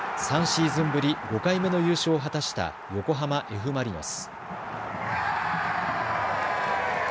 ３シーズンぶり５回目の優勝を果たした横浜Ｆ・マリノス。